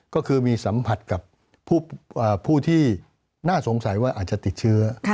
ก็คือมีสัมผัสกับผู้ที่น่าสงสัยว่าอาจจะติดเชื้อ